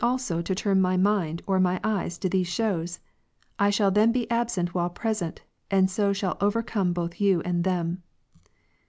"also to tui;n my mind or my eyes to those shows ? I shall ^'^^" then be absent while jDresent, and so shall overcome both "you and them."